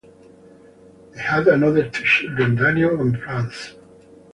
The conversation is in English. They had another two children Daniel and Frances.